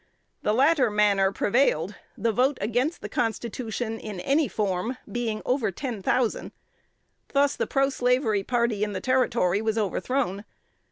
The latter manner prevailed; the vote against the constitution in any form being over ten thousand. Thus the proslavery party in the Territory was overthrown.